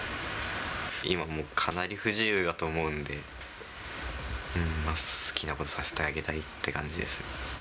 今もかなり不自由だと思うので、好きなことさせてあげたいって感じです。